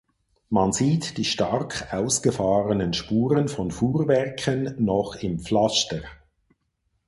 Man sieht die stark ausgefahrenen Spuren von Fuhrwerken noch im Pflaster.